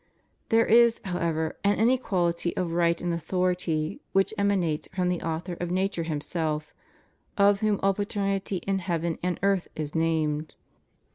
There is, how ever, an inequality of right and authority which emanates from the Author of nature Himself, of whom dlT'patermty in heaven and earth is named.